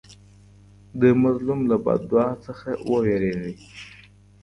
د مظلوم له بد دعا څخه وویریږئ.